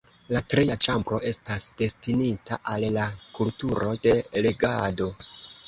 La tria ĉambro estas destinita al la kulturo de legado.